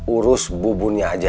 urus bubunnya aja